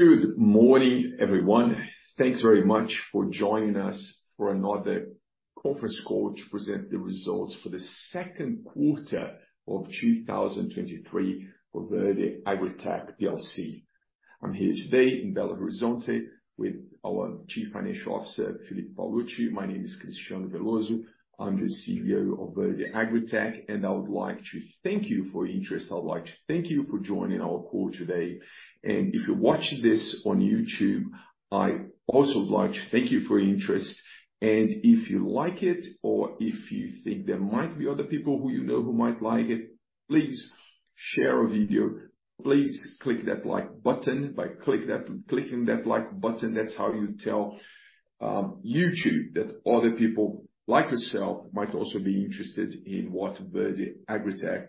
Good morning, everyone. Thanks very much for joining us for another conference call to present the results for the second quarter of 2023 for Verde AgriTech PLC. I'm here today in Belo Horizonte with our Chief Financial Officer, Felipe Paolucci. My name is Cristiano Veloso. I'm the CEO of Verde AgriTech. I would like to thank you for your interest. I would like to thank you for joining our call today. If you're watching this on YouTube, I also would like to thank you for your interest. If you like it, or if you think there might be other people who you know who might like it, please share our video. Please click that like button. By clicking that like button, that's how you tell YouTube that other people like yourself might also be interested in what Verde AgriTech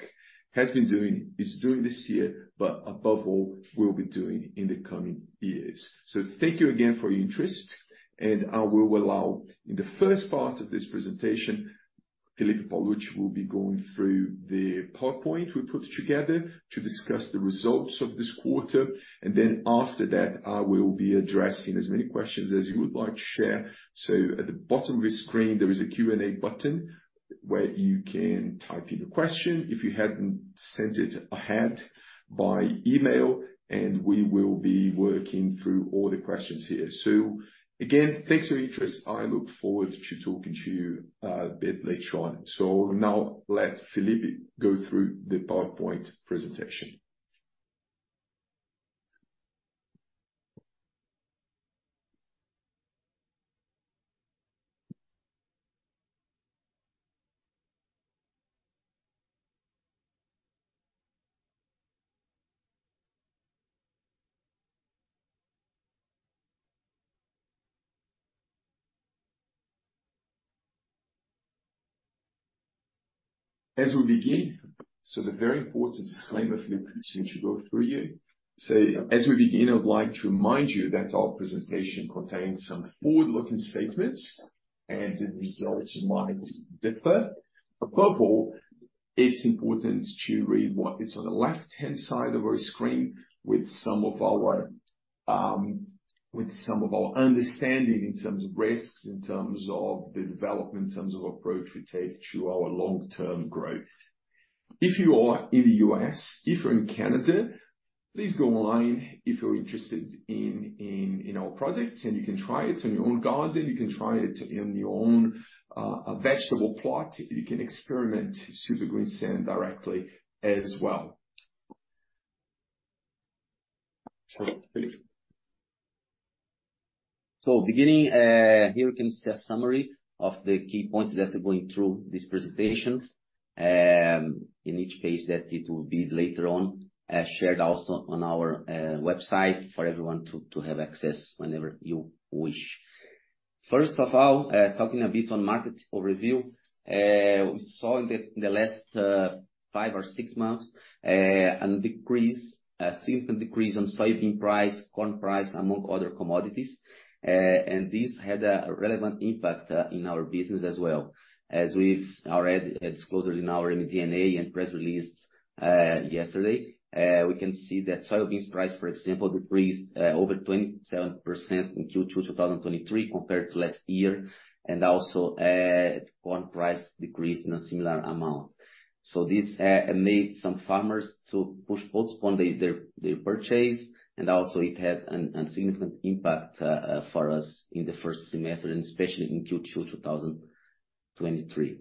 has been doing, is doing this year, above all, we'll be doing in the coming years. Thank you again for your interest. In the first part of this presentation, Felipe Paolucci will be going through the PowerPoint we put together to discuss the results of this quarter. Then after that, I will be addressing as many questions as you would like to share. At the bottom of your screen, there is a Q&A button where you can type in your question. If you hadn't sent it ahead by email, we will be working through all the questions here. Again, thanks for your interest. I look forward to talking to you a bit later on. Now let Felipe go through the PowerPoint presentation. As we begin, so the very important disclaimer Felipe is going to go through you. As we begin, I'd like to remind you that our presentation contains some forward-looking statements, and the results might differ. Above all, it's important to read what is on the left-hand side of our screen with some of our, with some of our understanding in terms of risks, in terms of the development, in terms of approach we take to our long-term growth. If you are in the U.S., if you're in Canada, please go online if you're interested in, in, in our product, and you can try it in your own garden, you can try it in your own vegetable plot, you can experiment Super Greensand directly as well. Felipe. Beginning, here you can see a summary of the key points that are going through these presentations, in each case that it will be later on, shared also on our website for everyone to, to have access whenever you wish. First of all, talking a bit on market overview. We saw in the, the last, five or six months, a decrease, a significant decrease on soybean price, corn price, among other commodities. This had a relevant impact in our business as well. As we've already disclosed in our MD&A and press release, yesterday, we can see that soybeans price, for example, decreased over 27% in Q2 2023, compared to last year, and also, corn price decreased in a similar amount. This made some farmers to push, postpone their, their, their purchase, and also it had an, an significant impact for us in the first semester, and especially in Q2, 2023.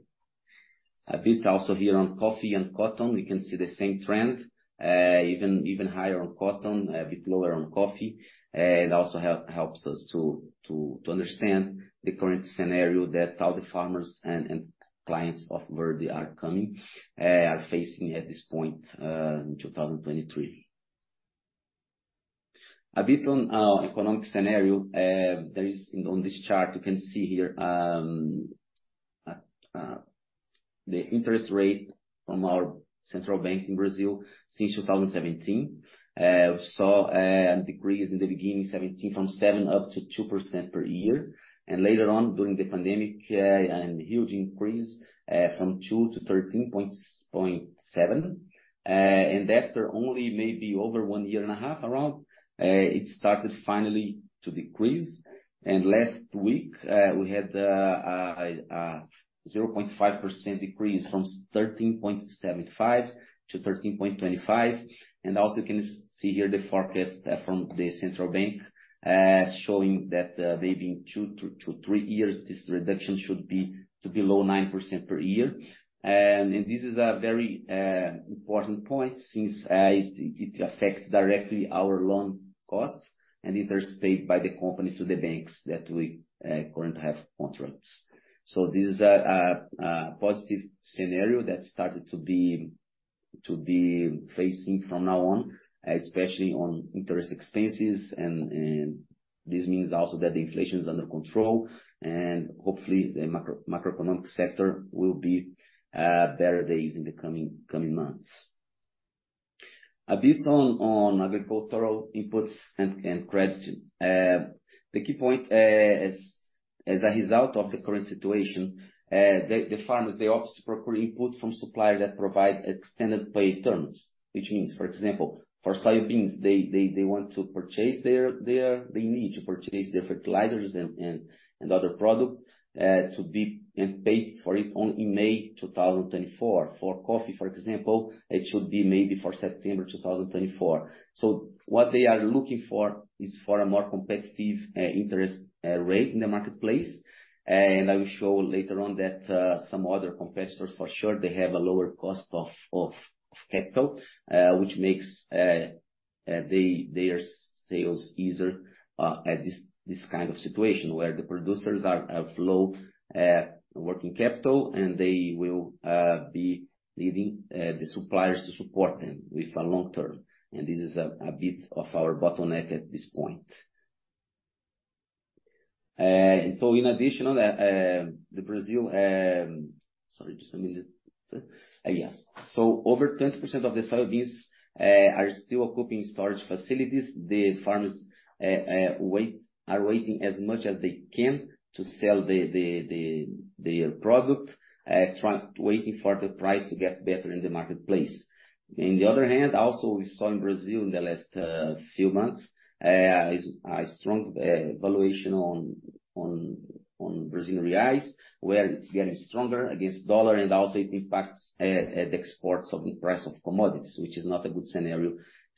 A bit also here on coffee and cotton, we can see the same trend, even, even higher on cotton, a bit lower on coffee. It also helps us to, to, to understand the current scenario that all the farmers and, and clients of Verde are coming, are facing at this point, in 2023. A bit on our economic scenario, there is on this chart, you can see here, the interest rate from our central bank in Brazil since 2017. We saw a decrease in the beginning 17% from 7% up to 2% per year. Later on, during the pandemic, a huge increase from 2%-3.7%. After only maybe over one year and a half around, it started finally to decrease. Last week, we had a 0.5% decrease from 13.75% to 13.25%. Also, you can see here the forecast from the central bank showing that maybe in two to three years, this reduction should be to below 9% per year. This is a very important point since it affects directly our loan costs and interest paid by the company to the banks that we currently have contracts. This is a positive scenario that started to be facing from now on, especially on interest expenses, and this means also that inflation is under control, and hopefully, the macroeconomic sector will be better days in the coming months. A bit on agricultural inputs and credit. The key point. As a result of the current situation, the farmers, they opt to procure inputs from suppliers that provide extended pay terms, which means, for example, for soybeans, they want to purchase their fertilizers and other products, and pay for it only in May 2024. For coffee, for example, it should be maybe for September 2024. What they are looking for is for a more competitive interest rate in the marketplace. I will show later on that some other competitors, for sure, they have a lower cost of capital, which makes their sales easier at this kind of situation, where the producers are at low working capital, and they will be needing the suppliers to support them with a long term. This is a bit of our bottleneck at this point. In additional, the Brazil... Sorry, just a minute, yes. Over 20% of the soybeans are still occupying storage facilities. The farmers, wait-- are waiting as much as they can to sell the, the, the, their product, try-- waiting for the price to get better in the marketplace. On the other hand, also, we saw in Brazil in the last few months, a strong valuation on, on, on Brazilian reais, where it's getting stronger against dollar, and also it impacts the exports of the price of commodities, which is not a good scenario.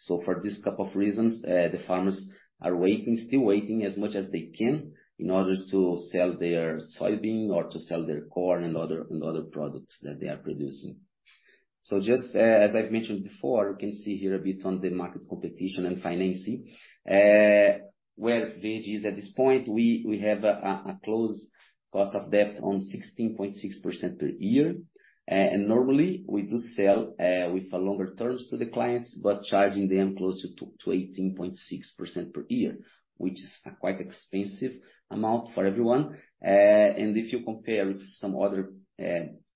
For these couple of reasons, the farmers are waiting, still waiting as much as they can in order to sell their soybean or to sell their corn and other, and other products that they are producing. Just, as I've mentioned before, you can see here a bit on the market competition and financing. Where Verde is at this point, we, we have a close cost of debt on 16.6% per year. Normally, we do sell with longer terms to the clients, but charging them closer to 18.6% per year, which is a quite expensive amount for everyone. If you compare with some other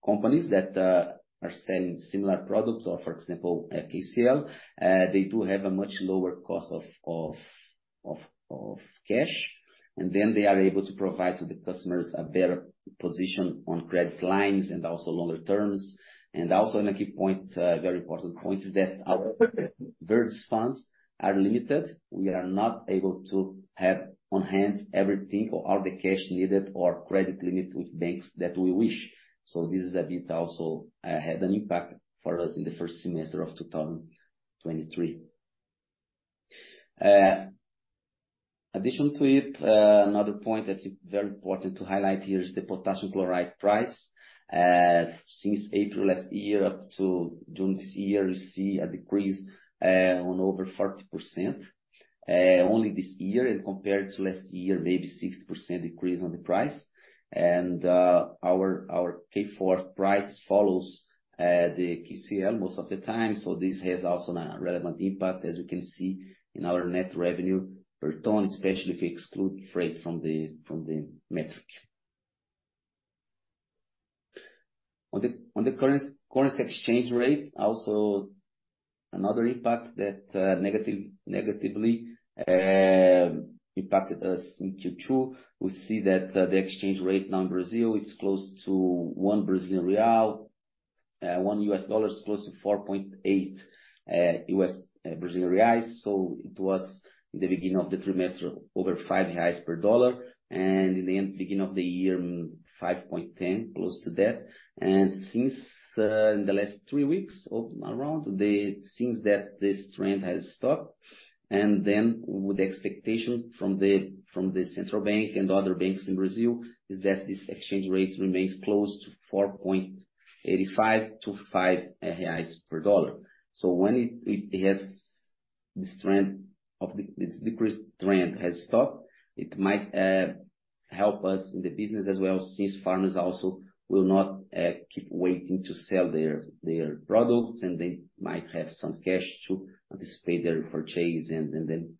companies that are selling similar products or for example, KCl, they do have a much lower cost of cash, and then they are able to provide to the customers a better position on credit lines and also longer terms. Also, a key point, very important point is that our Verde's funds are limited. We are not able to have on hand everything or all the cash needed or credit limit with banks that we wish. This is a bit also had an impact for us in the first semester of 2023. Addition to it, another point that is very important to highlight here is the potassium chloride price. Since April last year up to June this year, you see a decrease on over 40% only this year. Compared to last year, maybe 60% decrease on the price. Our, our K Forte price follows the KCl most of the time, so this has also a relevant impact, as you can see, in our net revenue per ton, especially if you exclude freight from the, from the metric. On the, on the currency, currency exchange rate, also another impact that negative, negatively impacted us in Q2. We see that the exchange rate now in Brazil is close to 1 Brazilian real, $1 is close to 4.8. It was in the beginning of the trimester, over 5 reais per dollar, and in the end, beginning of the year, 5.10, close to that. Since in the last three weeks, or around, it seems that this trend has stopped. With the expectation from the, from the Central Bank and other banks in Brazil, is that this exchange rate remains close to 4.85-5 reais per dollar. When it has this trend of the... This decreased trend has stopped, it might help us in the business as well, since farmers also will not keep waiting to sell their products, and then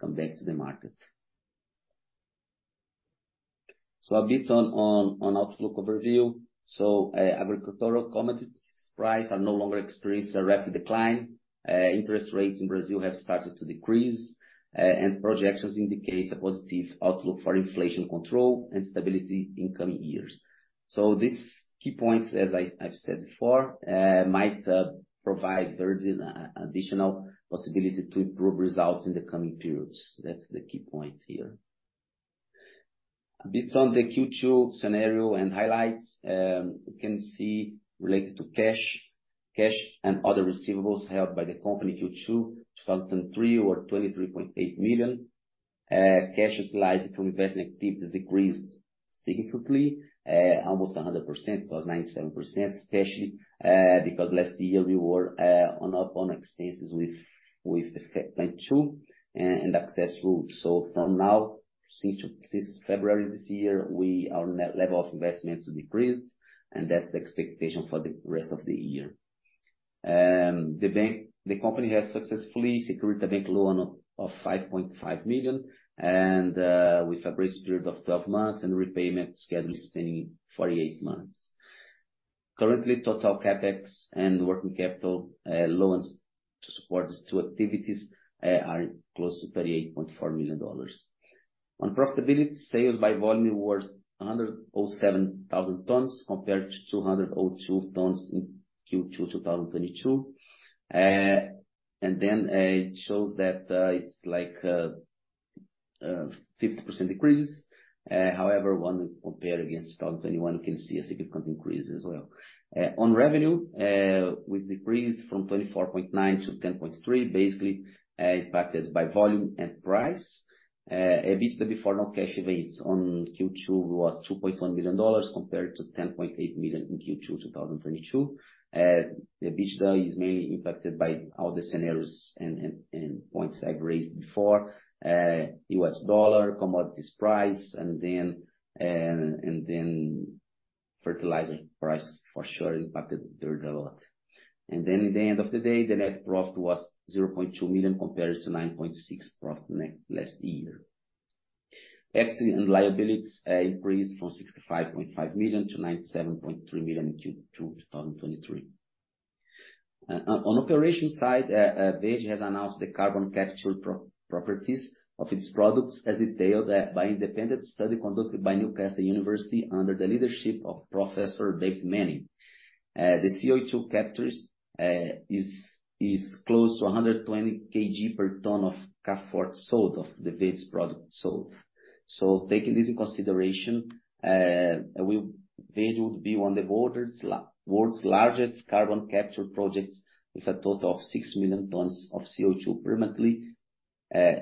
come back to the market. A bit on outlook overview. Agricultural commodities price are no longer experiencing a rapid decline. Interest rates in Brazil have started to decrease, and projections indicate a positive outlook for inflation control and stability in coming years. These key points, as I've said before, might provide Verde an additional possibility to improve results in the coming periods. That's the key point here. A bit on the Q2 scenario and highlights. You can see related to cash, cash and other receivables held by the company Q2, 2003 or $23.8 million. Cash utilized to invest activities decreased significantly, almost 100%, +97%, especially because last year we were on, up on expenses with, with the Plant 2 and access route. From now, since, since February this year, our net level of investments decreased, and that's the expectation for the rest of the year. The bank, the company has successfully secured a bank loan of $5.5 million, with a bridge period of 12 months, and repayment schedule spanning 48 months. Currently, total CapEx and working capital loans to support these two activities are close to $38.4 million. On profitability, sales by volume were 107,000 tons compared to 202 tons in Q2 2022. It shows that it's like 50% decreases. However, when we compare against 2021, we can see a significant increase as well. On revenue, we decreased from $24.9 to $10.3, basically impacted by volume and price. EBITDA before non-cash rates on Q2 was $2.1 million compared to $10.8 million in Q2 2022. The EBITDA is mainly impacted by all the scenarios and points I've raised before. U.S. dollar, commodities price, then fertilizer price for sure impacted Verde a lot. At the end of the day, the net profit was 0.2 million compared to 9.6 million profit last year. Equity and liabilities increased from 65.5 million to 97.3 million in Q2 2023. On operation side, Verde has announced the carbon capture properties of its products, as detailed by independent study conducted by Newcastle University under the leadership of Professor David Manning. The CO2 captures is close to 120 kg per ton of K Forte sold, of the Verde product sold. Taking this into consideration, Verde will be one of the world's largest carbon capture projects, with a total of 6 million tons of CO2 permanently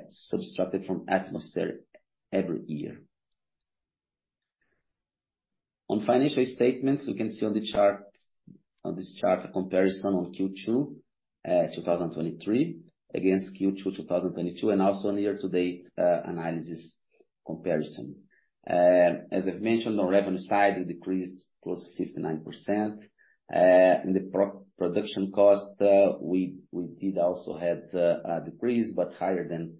subtracted from atmosphere every year. On financial statements, you can see on the chart - on this chart, a comparison on Q2 2023, against Q2 2022, and also a year-to-date analysis comparison. As I've mentioned, on revenue side, it decreased close to 59%. The production cost, we did also have the decrease, but higher than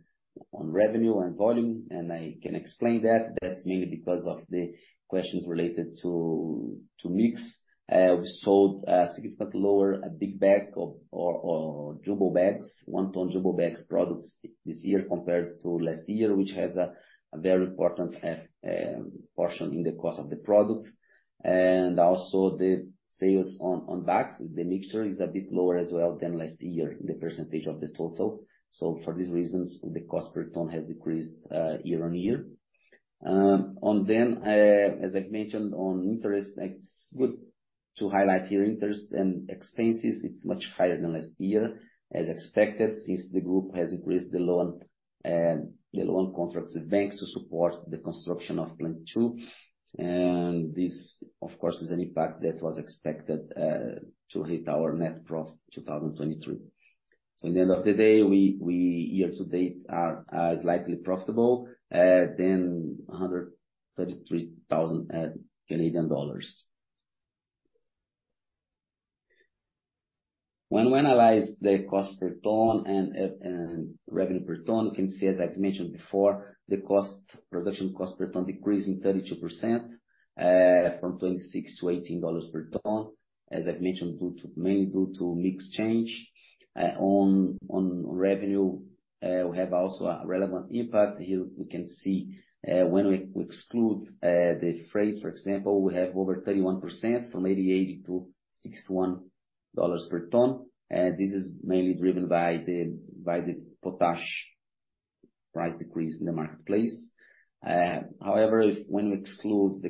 on revenue and volume, and I can explain that. That's mainly because of the questions related to mix. We sold a significantly lower, a Big Bag or jumbo bags, one-ton jumbo bags products this year compared to last year, which has a very important portion in the cost of the product. Also the sales on BAKS, the mixture is a bit lower as well than last year, the percentage of the total. For these reasons, the cost per ton has decreased year-over-year. On, as I've mentioned, on interest, it's good to highlight here interest and expenses. It's much higher than last year, as expected, since the group has increased the loan, the loan contracts with banks to support the construction of Plant 2. This, of course, is an impact that was expected to hit our net profit 2023. At the end of the day, we, we year-to-date are slightly profitable than CAD 133,000. When we analyze the cost per ton and revenue per ton, you can see, as I've mentioned before, the cost, production cost per ton decreasing 32%, from 26-18 dollars per ton. As I've mentioned, mainly due to mix change. On revenue, we have also a relevant impact. Here we can see, when we exclude the freight, for example, we have over 31%, from 88 CAD to 61 dollars per ton. This is mainly driven by the potash price decrease in the marketplace. However, when we exclude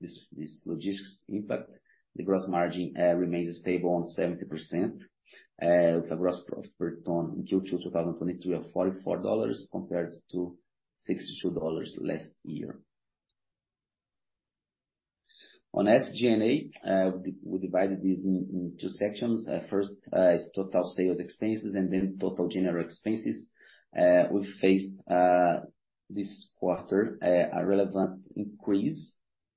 this logistics impact, the gross margin remains stable on 70%, with a gross profit per ton in Q2 2023 of 44 dollars, compared to 62 dollars last year. On SG&A, we divided this in two sections. First, is total sales expenses and then total general expenses. We faced, this quarter, a relevant increase,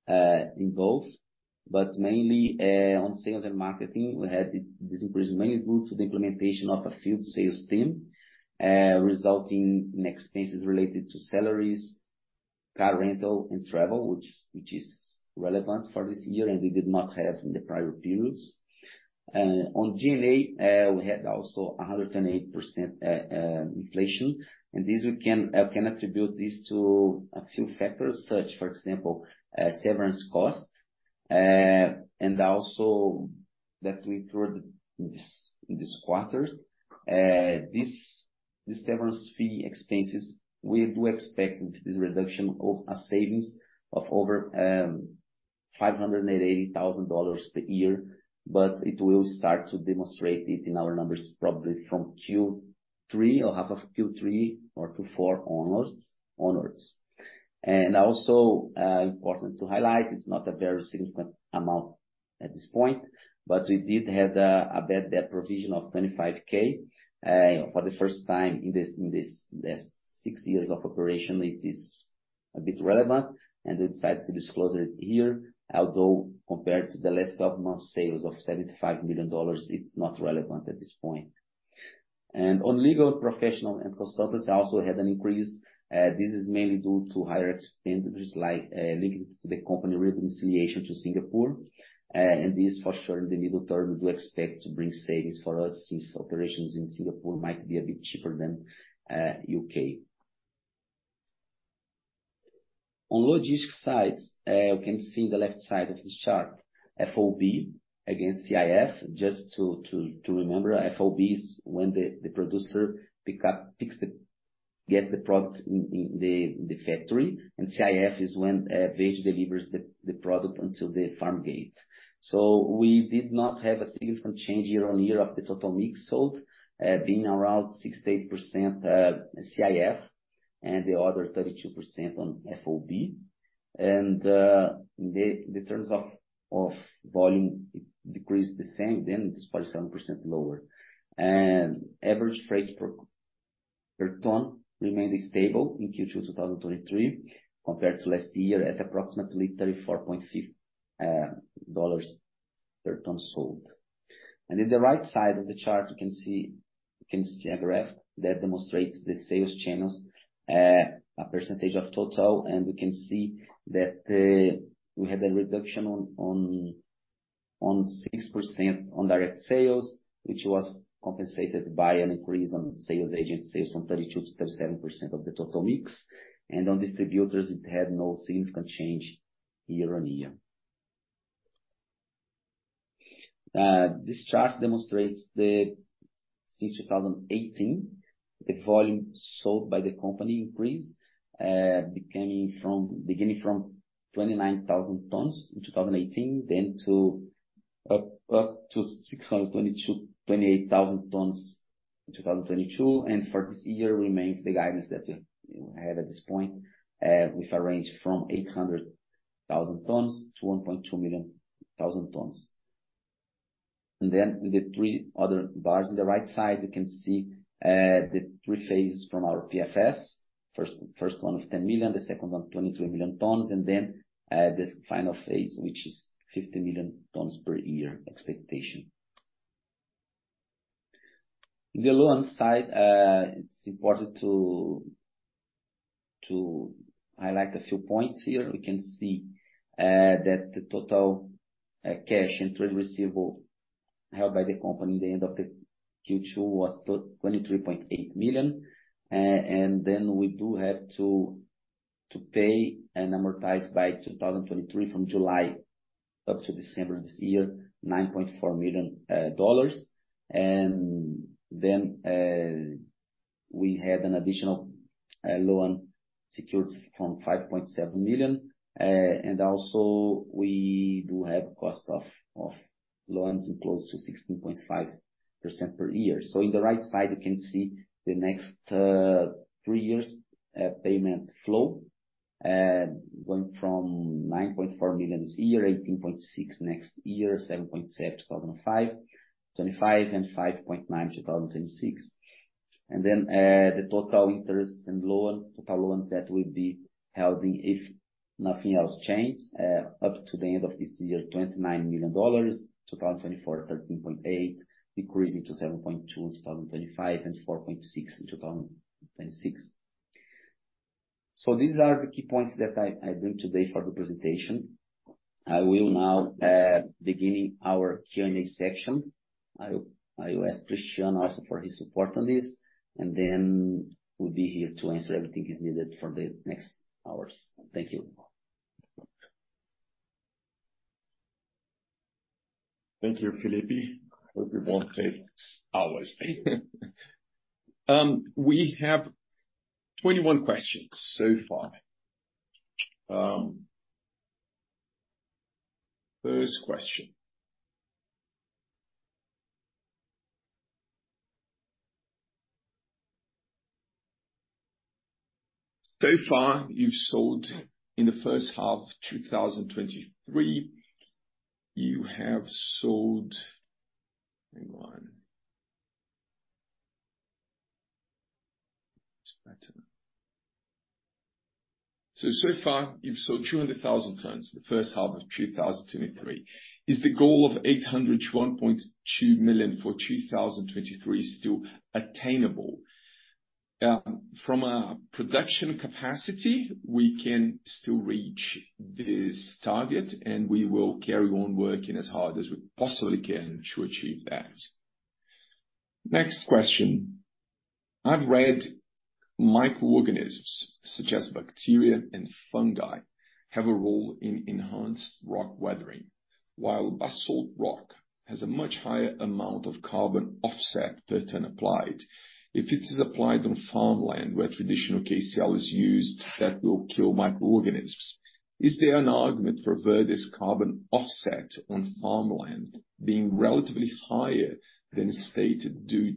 in both, but mainly, on sales and marketing, we had this increase mainly due to the implementation of a field sales team, resulting in expenses related to salaries, car rental and travel, which is relevant for this year, and we did not have in the prior periods. On G&A, we had also 108% inflation, and this we can attribute this to a few factors such, for example, severance costs, and also that we included in this quarters. This, this severance fee expenses, we do expect this reduction of a savings of over 580,000 dollars per year, but it will start to demonstrate it in our numbers, probably from Q3 or half of Q3 or Q4 onwards, onwards. Also, important to highlight, it's not a very significant amount at this point, but we did have the, a bad debt provision of 25,000, for the first time in this, in this last six years of operation. It is a bit relevant, and we decided to disclose it here, although compared to the last 12 months sales of 75 million dollars, it's not relevant at this point. On legal, professional, and consultants also had an increase, this is mainly due to higher expenditures, like, linked to the company relocation to Singapore. This for sure, in the middle term, we do expect to bring savings for us since operations in Singapore might be a bit cheaper than U.K. On logistic sides, you can see in the left side of the chart, FOB against CIF. Just to remember, FOB is when the producer gets the products in the factory, and CIF is when Verde delivers the product until the farm gate. We did not have a significant change year-over-year of the total mix sold, being around 68% CIF, and the other 32% on FOB. The terms of volume, it decreased the same, then it's 47% lower. Average freight per, per ton remained stable in Q2 2023, compared to last year, at approximately 34.5 dollars per ton sold. In the right side of the chart, you can see, you can see a graph that demonstrates the sales channels, a percentage of total. We can see that we had a reduction on 6% on direct sales, which was compensated by an increase on sales agent sales from 32%-37% of the total mix, and on distributors, it had no significant change year-on-year. This chart demonstrates since 2018, the volume sold by the company increased, beginning from, beginning from 29,000 tons in 2018, then to up, up to 628,000 tons in 2022. For this year remains the guidance that we, you know, had at this point, with a range from 800,000 tons to 1.2 million tons. With the three other bars on the right side, you can see, the three phases from our PFS. First, first one of 10 million tons, the second one, 23 million tons, and then the final phase, which is 50 million tons per year expectation. In the loan side, it's important to highlight a few points here. We can see that the total cash and trade receivable held by the company at the end of the Q2 was 23.8 million. We do have to pay and amortize by 2023, from July up to December of this year, $9.4 million. We have an additional loan secured from $5.7 million, and also we do have cost of loans in close to 16.5% per year. In the right side, you can see the next three years payment flow, going from $9.4 million this year, $18.6 next year, $7.7, 2025 and $5.9, 2026. The total interest and loan, total loans that will be holding, if nothing else changes, up to the end of this year, $29 million, 2024, $13.8, decreasing to $7.2 in 2025, and $4.6 in 2026. These are the key points that I, I bring today for the presentation. I will now, beginning our Q&A section. I, I will ask Cristiano also for his support on this, and then we'll be here to answer everything is needed for the next hours. Thank you. Thank you, Felipe. Hope it won't take hours. We have 21 questions so far. First question. In the first half of 2023, you have sold... Hang on. So far, you've sold 200,000 tons in the first half of 2023. Is the goal of 801.2 million for 2023 still attainable? From a production capacity, we can still reach this target, and we will carry on working as hard as we possibly can to achieve that. Next question: I've read microorganisms, such as bacteria and fungi, have a role in Enhanced Rock Weathering, while basalt rock has a much higher amount of carbon offset per ton applied. If it is applied on farmland where traditional KCl is used, that will kill microorganisms, is there an argument for whether this carbon offset on farmland being relatively higher than stated, due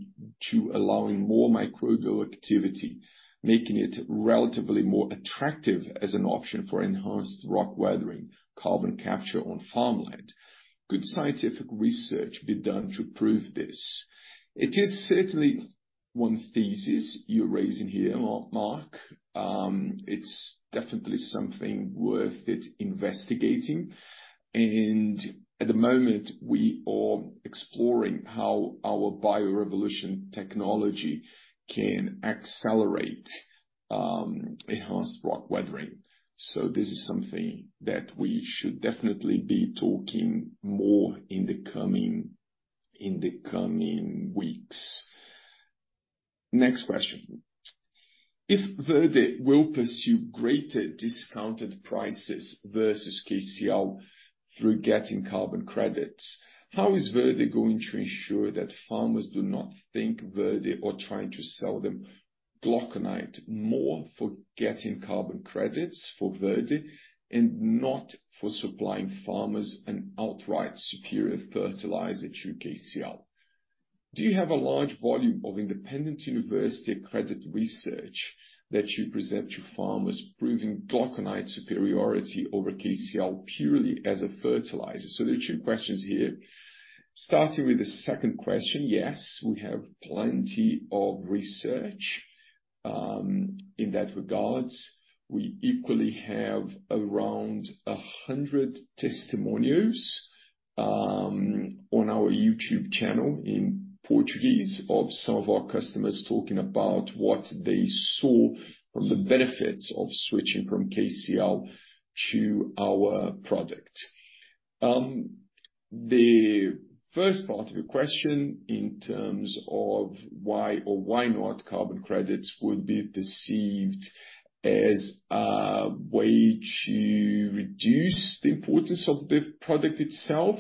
to allowing more microbial activity, making it relatively more attractive as an option for Enhanced Rock Weathering, carbon capture on farmland? Could scientific research be done to prove this? It is certainly one thesis you're raising here, Mark. It's definitely something worth it investigating, and at the moment, we are exploring how our Bio Revolution technology can accelerate, Enhanced Rock Weathering. This is something that we should definitely be talking more in the coming, in the coming weeks. Next question. If Verde will pursue greater discounted prices versus KCl through getting carbon credits, how is Verde going to ensure that farmers do not think Verde are trying to sell them glauconite more for getting carbon credits for Verde and not for supplying farmers an outright superior fertilizer to KCl? Do you have a large volume of independent university accredited research that you present to farmers proving glauconite superiority over KCl purely as a fertilizer? There are two questions here. Starting with the second question, yes, we have plenty of research in that regards. We equally have around 100 testimonials on our YouTube channel in Portuguese, of some of our customers talking about what they saw from the benefits of switching from KCl to our product. The first part of your question, in terms of why or why not carbon credits would be perceived as a way to reduce the importance of the product itself.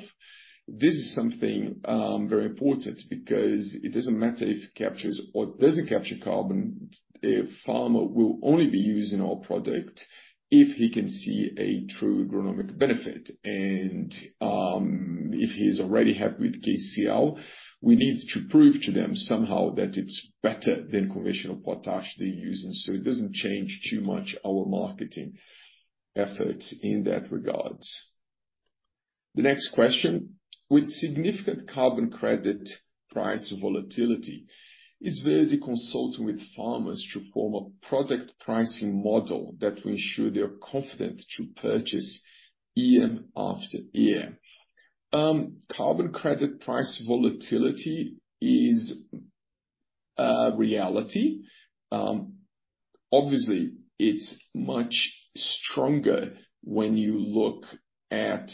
This is something very important, because it doesn't matter if it captures or doesn't capture carbon, a farmer will only be using our product if he can see a true agronomic benefit. If he's already happy with KCl, we need to prove to them somehow that it's better than conventional potash they're using. It doesn't change too much our marketing efforts in that regards. The next question: with significant carbon credit price volatility, is Verde consulting with farmers to form a product pricing model that will ensure they are confident to purchase year-after-year? Carbon credit price volatility is reality. Obviously, it's much stronger when you look at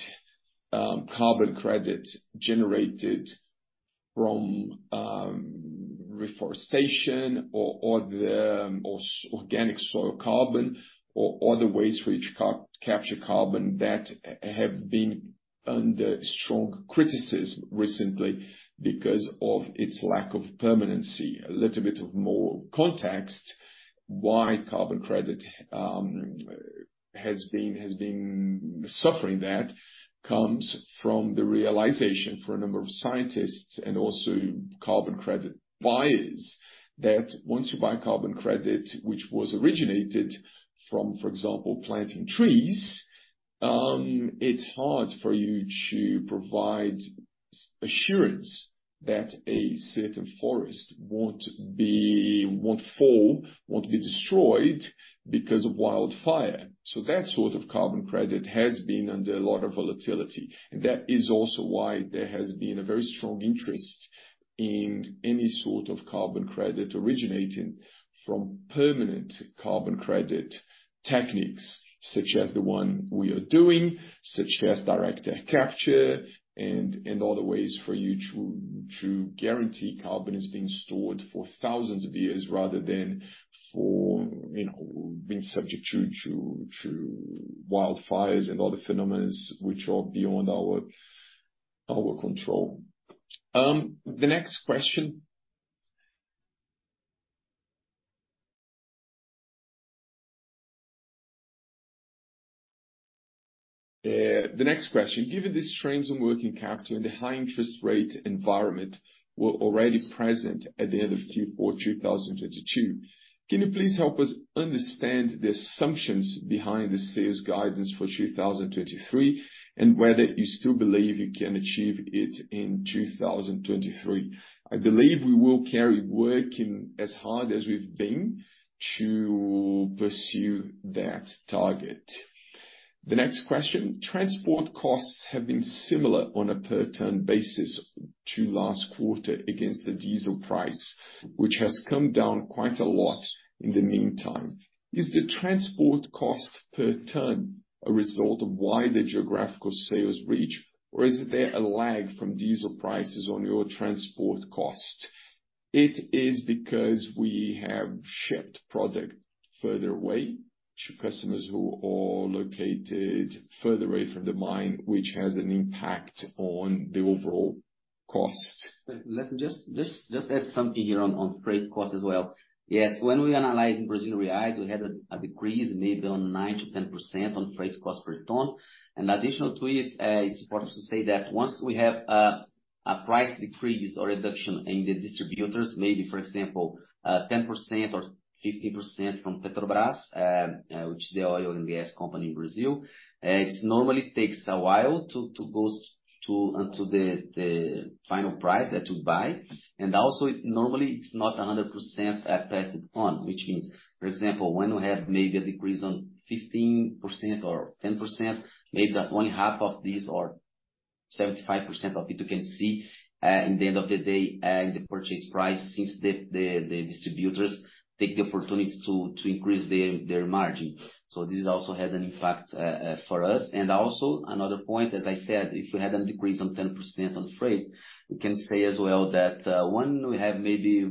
reforestation or or the or organic soil carbon or other ways which capture carbon that have been under strong criticism recently because of its lack of permanency. A little bit of more context, why carbon credit has been suffering that, comes from the realization for a number of scientists and also carbon credit buyers, that once you buy carbon credit, which was originated from, for example, planting trees, it's hard for you to provide assurance that a certain forest won't fall, won't be destroyed because of wildfire. That sort of carbon credit has been under a lot of volatility, and that is also why there has been a very strong interest in any sort of carbon credit originating from permanent carbon credit techniques, such as the one we are doing, such as direct air capture, and, and other ways for you to, to guarantee carbon is being stored for thousands of years rather than for, you know, being subject to, to, to wildfires and other phenomenons which are beyond our, our control. The next question. The next question: Given the strains on working capital and the high interest rate environment were already present at the end of Q4 2022, can you please help us understand the assumptions behind the sales guidance for 2023, and whether you still believe you can achieve it in 2023? I believe we will carry working as hard as we've been to pursue that target. The next question: transport costs have been similar on a per ton basis to last quarter against the diesel price, which has come down quite a lot in the meantime. Is the transport cost per ton a result of wider geographical sales reach, or is there a lag from diesel prices on your transport costs? It is because we have shipped product further away to customers who are located further away from the mine, which has an impact on the overall cost. Let me just add something here on freight costs as well. Yes, when we analyze in Brazilian reais, we had a decrease maybe on 9%-10% on freight cost per ton. Additional to it, it's important to say that once we have a price decrease or reduction in the distributors, maybe for example, 10% or 15% from Petrobras, which is the oil and gas company in Brazil, it normally takes a while to go unto the final price that you buy. It normally it's not 100% passed on, which means, for example, when you have maybe a decrease on 15% or 10%, maybe that only half of this or 75% of it, you can see in the end of the day in the purchase price, since the, the, the distributors take the opportunity to increase their margin. This also has an impact for us. Another point, as I said, if you had a decrease on 10% on freight, you can say as well that when we have maybe...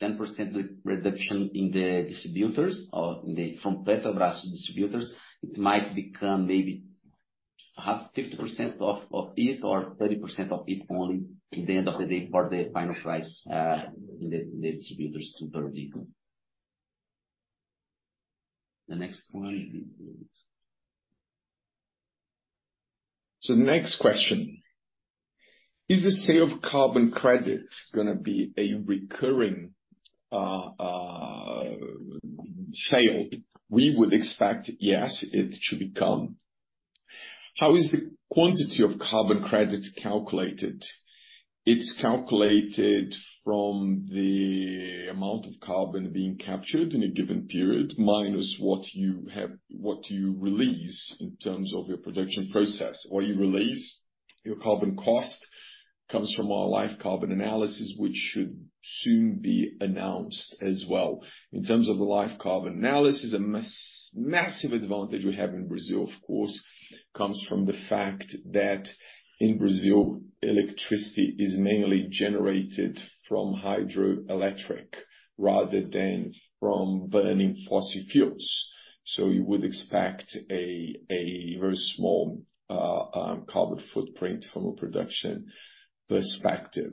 10% re-reduction in the distributors or in the, from Petrobras distributors, it might become maybe half, 50% of it or 30% of it only at the end of the day, for the final price, in the, the distributors to per vehicle. The next one, please. The next question: Is the sale of carbon credits gonna be a recurring sale? We would expect, yes, it should become. How is the quantity of carbon credits calculated? It's calculated from the amount of carbon being captured in a given period, minus what you have- what you release in terms of your production process. What you release, your carbon cost, comes from our life cycle analysis, which should soon be announced as well. In terms of the life cycle analysis, a massive advantage we have in Brazil, of course, comes from the fact that in Brazil, electricity is mainly generated from hydroelectric rather than from burning fossil fuels. You would expect a very small carbon footprint from a production perspective.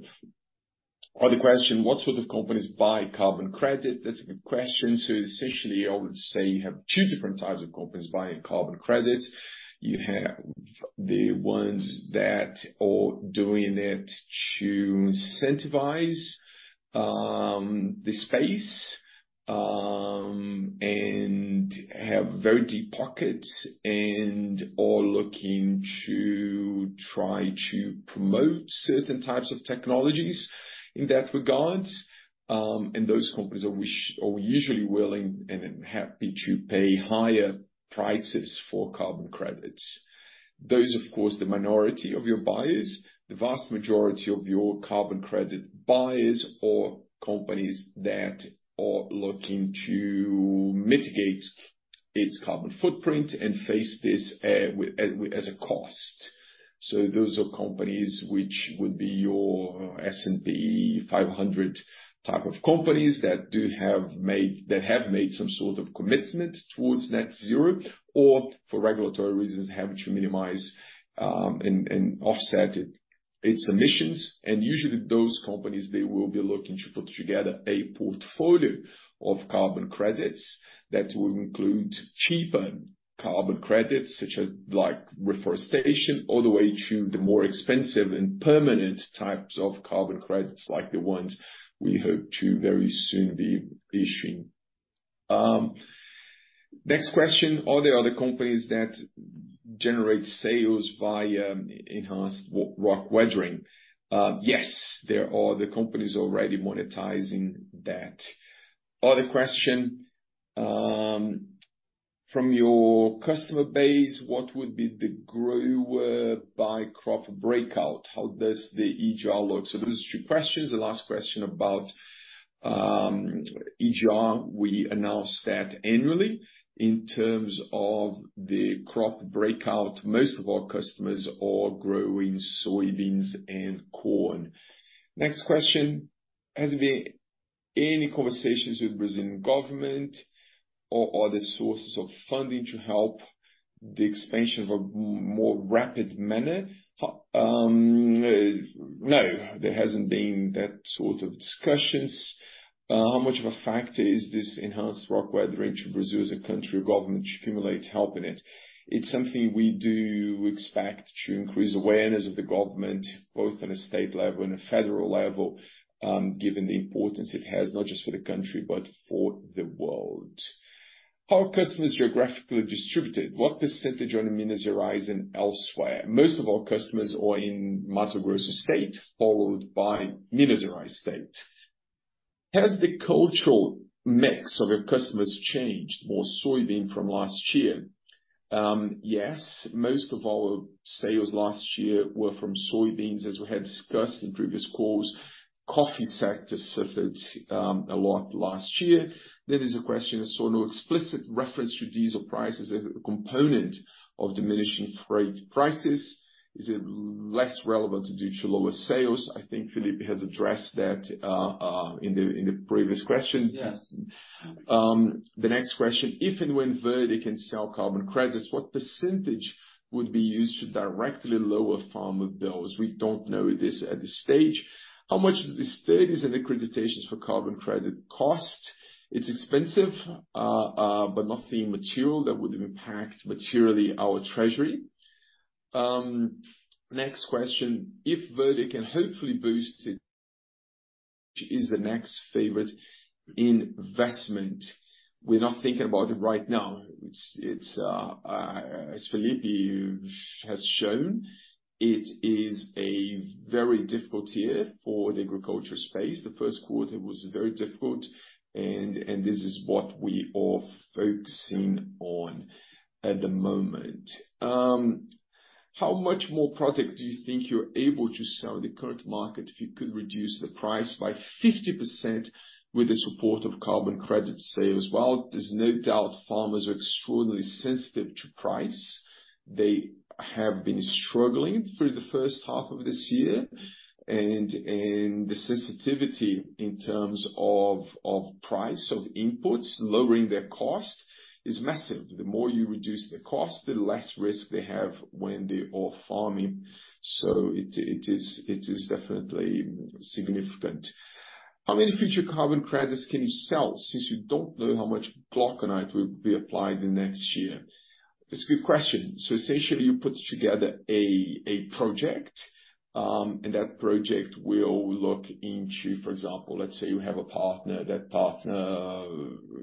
Other question: What sort of companies buy carbon credit? That's a good question. Essentially, I would say you have two different types of companies buying carbon credits. You have the ones that are doing it to incentivize the space and have very deep pockets, and are looking to try to promote certain types of technologies in that regard. Those companies are usually willing and happy to pay higher prices for carbon credits. Those are, of course, the minority of your buyers. The vast majority of your carbon credit buyers are companies that are looking to mitigate its carbon footprint and face this with, as, as a cost. Those are companies which would be your S&P 500 type of companies, that have made some sort of commitment towards net zero, or for regulatory reasons, have to minimize and offset its emissions. Usually those companies, they will be looking to put together a portfolio of carbon credits that will include cheaper carbon credits, such as, like reforestation, all the way to the more expensive and permanent types of carbon credits, like the ones we hope to very soon be issuing. Next question. Are there other companies that generate sales via Enhanced Rock Weathering? Yes, there are other companies already monetizing that. Other question: From your customer base, what would be the grower by crop breakout? How does the ERW look? Those are two questions. The last question about ERW, we announce that annually. In terms of the crop breakout, most of our customers are growing soybeans and corn. Next question: Has there been any conversations with Brazilian government or other sources of funding to help the expansion of a more rapid manner? No, there hasn't been that sort of discussions. How much of a factor is this Enhanced Rock Weathering to Brazil as a country or government to accumulate help in it? It's something we do expect to increase awareness of the government, both on a state level and a federal level, given the importance it has, not just for the country, but for the world. How are customers geographically distributed? What percentage are in Minas Gerais and elsewhere? Most of our customers are in Mato Grosso state, followed by Minas Gerais state. Has the cultural mix of your customers changed, more soybean from last year? Yes, most of our sales last year were from soybeans, as we had discussed in previous calls. Coffee sector suffered, a lot last year. There is a question, I saw no explicit reference to diesel prices as a component of diminishing freight prices. Is it less relevant due to lower sales? I think Felipe has addressed that in the previous question. Yes. The next question: If and when Verde can sell carbon credits, what percentage would be used to directly lower farmer bills? We don't know this at this stage. How much do the studies and accreditations for carbon credit cost? It's expensive, but nothing material that would impact materially our treasury. Next question: If Verde can hopefully boost it, is the next favorite investment? We're not thinking about it right now. It's, it's, as Felipe has shown, it is a very difficult year for the agriculture space. The first quarter was very difficult, and this is what we are focusing on at the moment. How much more product do you think you're able to sell in the current market if you could reduce the price by 50% with the support of carbon credit sales? Well, there's no doubt farmers are extraordinarily sensitive to price. They have been struggling through the first half of this year, and the sensitivity in terms of, of price, of inputs, lowering their cost is massive. The more you reduce the cost, the less risk they have when they are farming. It, it is, it is definitely significant. How many future carbon credits can you sell since you don't know how much glauconite will be applied the next year? It's a good question. Essentially, you put together a, a project, and that project will look into, for example, let's say you have a partner. That partner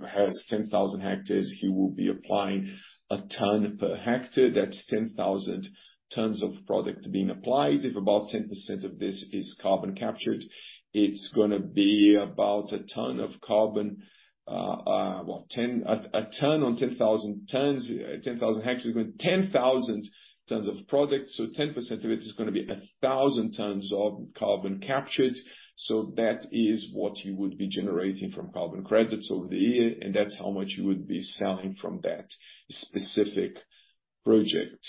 has 10,000 hectares. He will be applying 1 ton per hectare. That's 10,000 tons of product being applied. If about 10% of this is carbon captured, it's gonna be about 1 ton of carbon. Well, a ton on 10,000 tons, 10,000 hectares, with 10,000 tons of product, so 10% of it is gonna be 1,000 tons of carbon captured. That is what you would be generating from carbon credits over the year, and that's how much you would be selling from that specific project.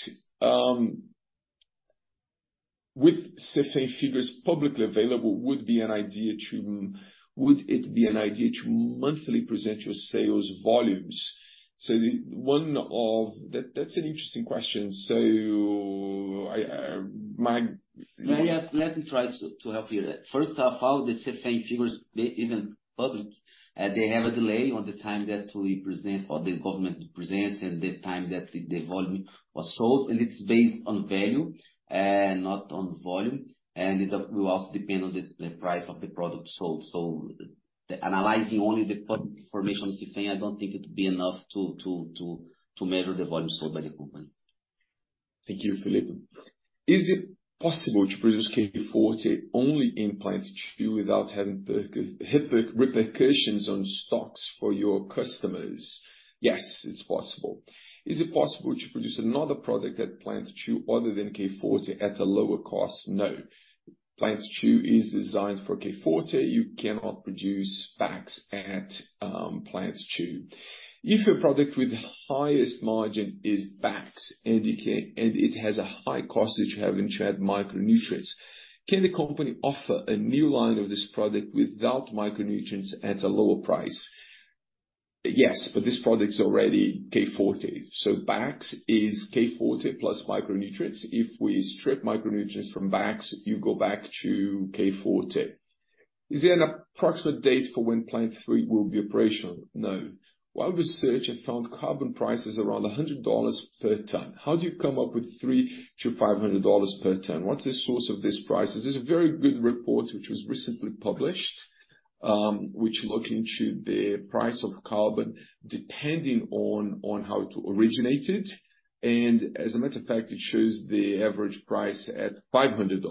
With CFEM figures publicly available, would it be an idea to monthly present your sales volumes? That, that's an interesting question. I, my- Well, yes, let me try to help you. First off, all the CFEM figures, they even public, they have a delay on the time that we present, or the government presents, and the time that the volume was sold, and it's based on value, not on volume, and it will also depend on the price of the product sold. The analyzing only the public information on CFEM, I don't think it would be enough to measure the volume sold by the company. Thank you, Felipe. Is it possible to produce K Forte only in Plant 2 without having the repercussions on stocks for your customers? Yes, it's possible. Is it possible to produce another product at Plant 2 other than K Forte at a lower cost? No. Plant 2 is designed for K Forte. You cannot produce BAKS at Plant 2. If your product with the highest margin is BAKS, and it, and it has a high cost, which you haven't had micronutrients, can the company offer a new line of this product without micronutrients at a lower price? Yes, but this product is already K Forte. BAKS is K Forte Plus micronutrients. If we strip micronutrients from BAKS, you go back to K Forte. Is there an approximate date for when Plant 3 will be operational? No. While research have found carbon prices around $100 per ton, how do you come up with $300-$500 per ton? What's the source of this price? This is a very good report which was recently published, which look into the price of carbon, depending on, on how it originated. As a matter of fact, it shows the average price at $500,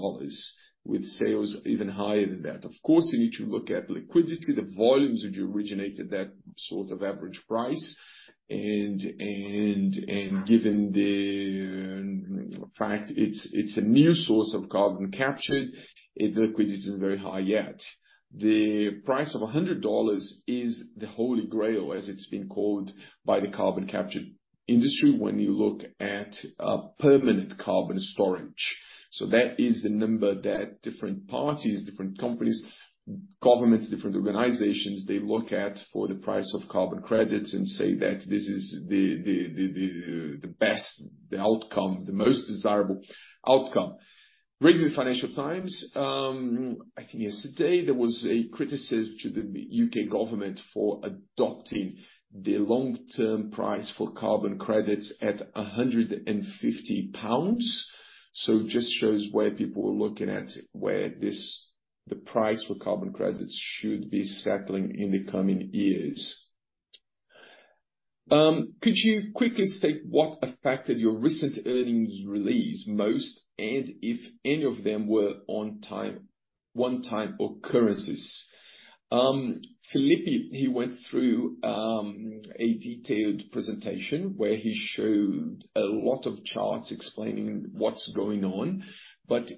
with sales even higher than that. Of course, you need to look at liquidity, the volumes which originated that sort of average price, given the fact it's a new source of carbon captured, its liquidity isn't very high yet. The price of $100 is the holy grail, as it's been called by the carbon captured industry, when you look at permanent carbon storage. That is the number that different parties, different companies, governments, different organizations, they look at for the price of carbon credits and say that this is the best outcome, the most desirable outcome. Read the Financial Times, I think yesterday, there was a criticism to the U.K. government for adopting the long-term price for carbon credits at 150 pounds. Just shows where people are looking at, where this, the price for carbon credits should be settling in the coming years. Could you quickly state what affected your recent earnings release most, and if any of them were one-time occurrences? Felipe, he went through a detailed presentation where he showed a lot of charts explaining what's going on,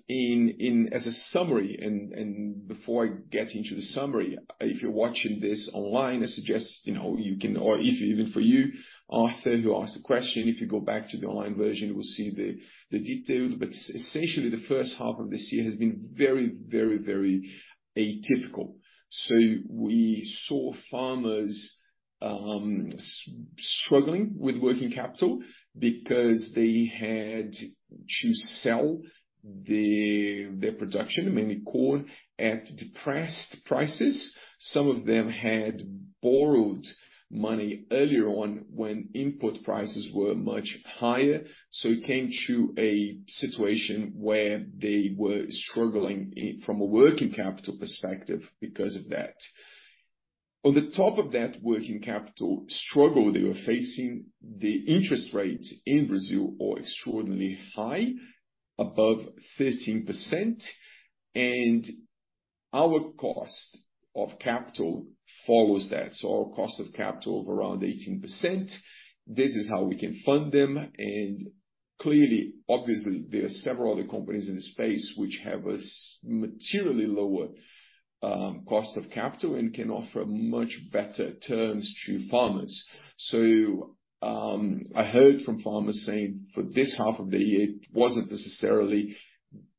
in, in, as a summary, and, and before I get into the summary, if you're watching this online, I suggest, you know, you can, or if even for you, Arthur, who asked the question, if you go back to the online version, you will see the details. Essentially, the 1st half of this year has been very, very, very atypical. We saw farmers struggling with working capital because they had to sell their production, mainly corn, at depressed prices. Some of them had borrowed money earlier on when input prices were much higher, so it came to a situation where they were struggling from a working capital perspective because of that. On the top of that working capital struggle they were facing, the interest rates in Brazil are extraordinarily high, above 13%. Our cost of capital follows that. Our cost of capital of around 18%, this is how we can fund them, and clearly, obviously, there are several other companies in the space which have a materially lower cost of capital and can offer much better terms to farmers. I heard from farmers saying for this half of the year, it wasn't necessarily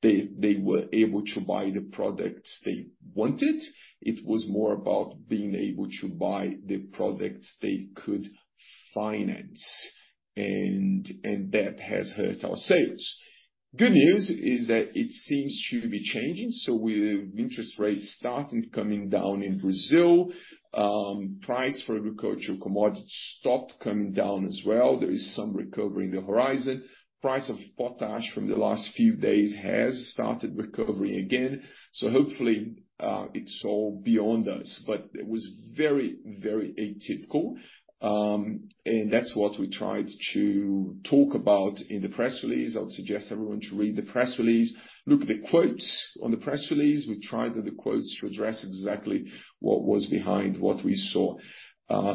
they, they were able to buy the products they wanted. It was more about being able to buy the products they could finance, and that has hurt our sales. Good news is that it seems to be changing. With interest rates starting coming down in Brazil, price for agricultural commodities stopped coming down as well. There is some recovery in the horizon. Price of potash from the last few days has started recovering again. Hopefully, it's all beyond us. It was very, very atypical. That's what we tried to talk about in the press release. I would suggest everyone to read the press release. Look at the quotes on the press release. We tried the quotes to address exactly what was behind what we saw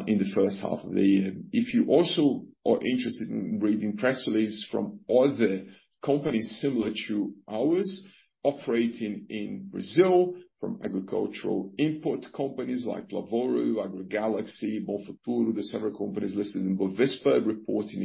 in the first half of the year. If you also are interested in reading press release from other companies similar to ours, operating in Brazil, from agricultural input companies like Lavoro, AgroGalaxy, Bom Futuro, there's several companies listed in Bovespa, reporting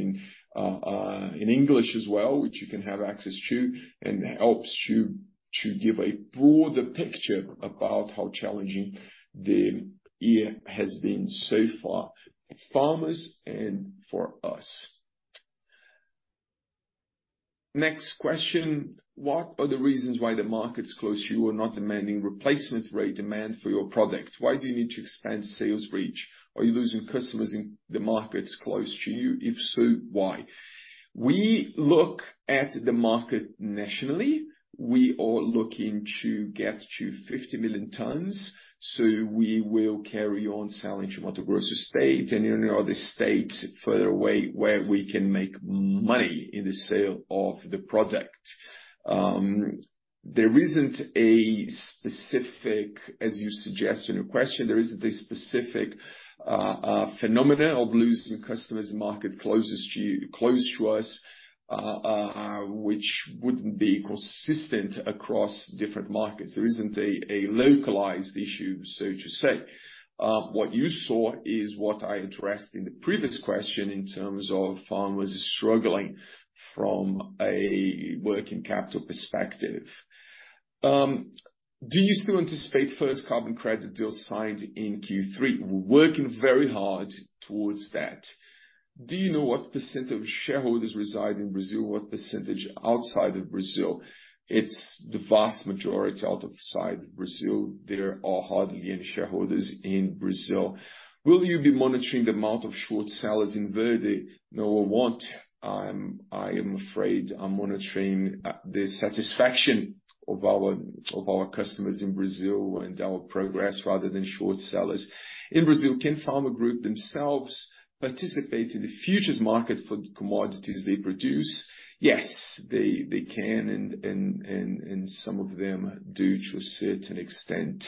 in, in English as well, which you can have access to, and helps you to give a broader picture about how challenging the year has been so far for farmers and for us. Next question: What are the reasons why the markets close to you are not demanding replacement rate demand for your product? Why do you need to expand sales reach? Are you losing customers in the markets close to you? If so, why? We look at the market nationally. We are looking to get to 50 million tons, so we will carry on selling to Mato Grosso state and any other states further away where we can make money in the sale of the product. There isn't a specific, as you suggest in your question, there isn't a specific phenomena of losing customers in market closest to us, which wouldn't be consistent across different markets. There isn't a localized issue, so to say. What you saw is what I addressed in the previous question in terms of farmers are struggling from a working capital perspective. Do you still anticipate first carbon credit deal signed in Q3? We're working very hard towards that. Do you know what percent of shareholders reside in Brazil? What percentage outside of Brazil? It's the vast majority outside Brazil. There are hardly any shareholders in Brazil. Will you be monitoring the amount of short sellers in Verde? No, I won't. I am afraid I'm monitoring the satisfaction of our, of our customers in Brazil and our progress rather than short sellers. In Brazil, can farmer group themselves participate in the futures market for the commodities they produce? Yes, they, they can and, and, and, and some of them do to a certain extent.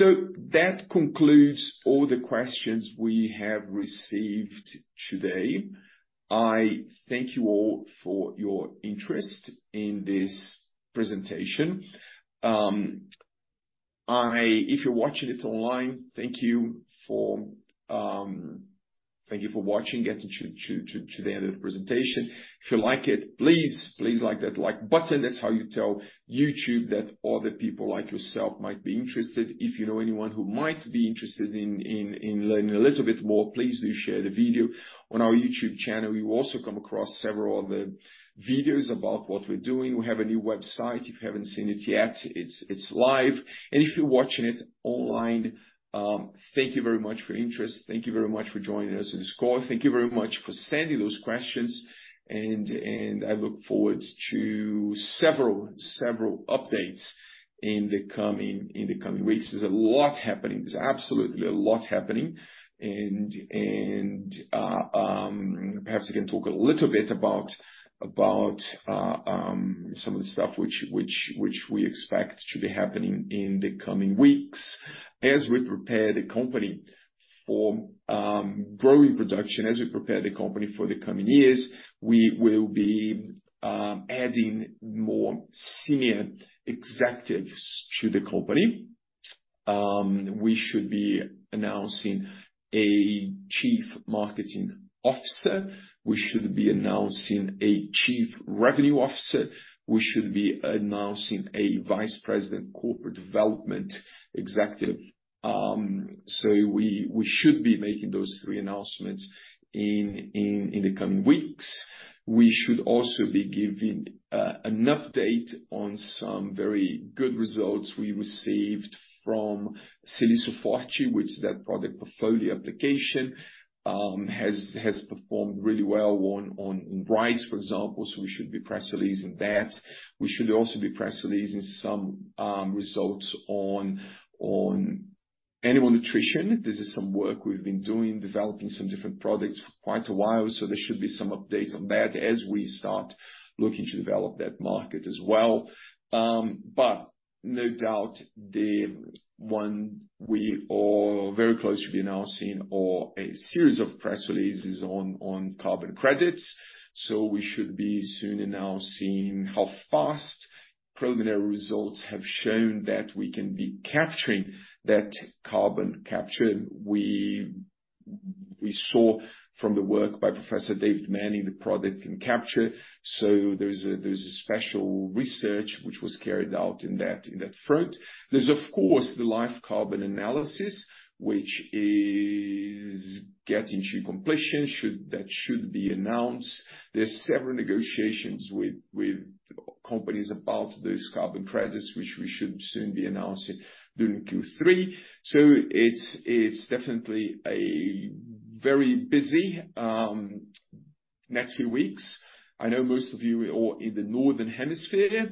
That concludes all the questions we have received today. I thank you all for your interest in this presentation. If you're watching it online, thank you for, thank you for watching, getting to, to, to, to the end of the presentation. If you like it, please, please, like that like button. That's how you tell YouTube that other people like yourself might be interested. If you know anyone who might be interested in learning a little bit more, please do share the video. On our YouTube channel, you will also come across several other videos about what we're doing. We have a new website. If you haven't seen it yet, it's live. If you're watching it online, thank you very much for your interest. Thank you very much for joining us in this call. Thank you very much for sending those questions, and I look forward to several updates in the coming weeks. There's a lot happening. There's absolutely a lot happening, and perhaps I can talk a little bit about some of the stuff which we expect to be happening in the coming weeks. As we prepare the company for growing production, as we prepare the company for the coming years, we will be adding more senior executives to the company. We should be announcing a Chief Marketing Officer, we should be announcing a Chief Revenue Officer, we should be announcing a Vice President Corporate Development executive. We should be making those three announcements in the coming weeks. We should also be giving an update on some very good results we received from Silício Forte, which is that product portfolio application. Has performed really well on in rice, for example, so we should be press releasing that. We should also be press releasing some results on animal nutrition. This is some work we've been doing, developing some different products for quite a while, so there should be some update on that as we start looking to develop that market as well. No doubt, the one we are very close to be announcing or a series of press releases on, on carbon credits, so we should be soon announcing how fast preliminary results have shown that we can be capturing that carbon capture. We, we saw from the work by Professor David Manning, the product can capture, so there's a, there's a special research which was carried out in that, in that front. There's, of course, the Life cycle analysis, which is getting to completion, that should be announced. There's several negotiations with, with companies about those carbon credits, which we should soon be announcing during Q3. It's, it's definitely a very busy, next few weeks. I know most of you are in the Northern Hemisphere.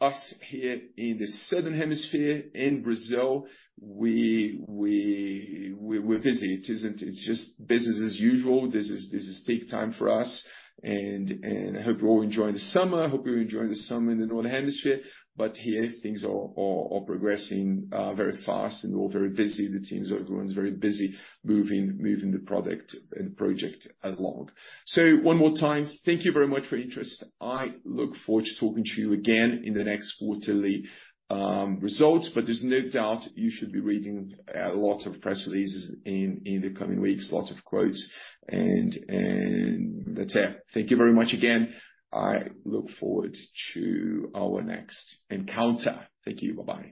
Us, here in the Southern Hemisphere, in Brazil, we, we, we're busy. It isn't. It's just business as usual. This is, this is peak time for us, and, and I hope you're all enjoying the summer. I hope you're enjoying the summer in the Northern Hemisphere, but here, things are, are, are progressing very fast, and we're all very busy. The teams, everyone's very busy moving, moving the product and project along. One more time, thank you very much for your interest. I look forward to talking to you again in the next quarterly, results, there's no doubt you should be reading a lot of press releases in, in the coming weeks, lots of quotes, and, and that's it. Thank you very much again. I look forward to our next encounter. Thank you. Bye-bye.